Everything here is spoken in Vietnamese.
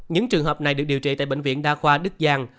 những trường hợp này được điều trị tại bệnh viện đa khoa đức giang